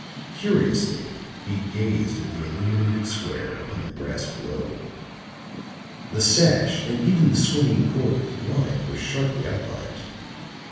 Curiously he gazed at the illuminated square upon the grass below; the sash and even the swinging cord of the blind were sharply outlined.